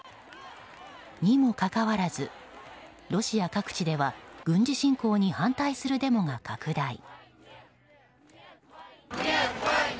にもかかわらずロシア各地では軍事侵攻に反対するデモが拡大。